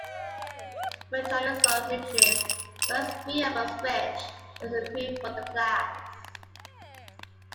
When Chowning saw Rich's first three albums Rich was approved for the class.